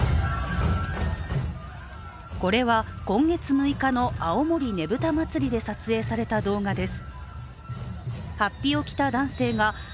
これは今月６日の青森ねぶた祭で撮影された動画です。